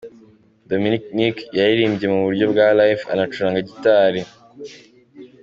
Dominic Nic yaririmbye mu buryo bwa Live anacurangwa gitari.